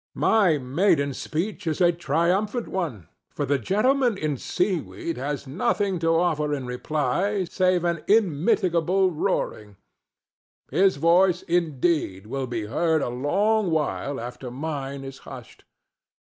My maiden speech is a triumphant one, for the gentleman in seaweed has nothing to offer in reply save an immitigable roaring. His voice, indeed, will be heard a long while after mine is hushed.